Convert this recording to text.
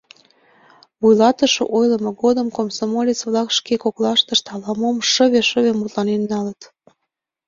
Вуйлатыше ойлымо годым комсомолец-влак шке коклаштышт ала-мом шыве-шыве мутланен налыт.